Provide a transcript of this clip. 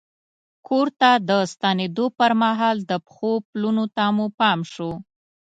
کور ته د ستنېدو پر مهال د پښو پلونو ته مو پام شو.